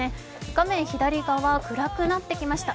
画面左側、暗くなってきました。